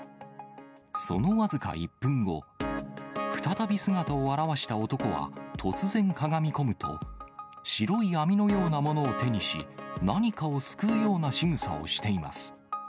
その僅か１分後、再び姿を現した男は、突然かがみこむと、白い網のようなものを手にし、何かをすくうようなしぐさをしています。